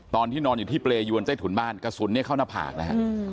ตอนที่นอนอยู่ที่เปรยวนใต้ถุนบ้านกระสุนเนี่ยเข้าหน้าผากนะฮะ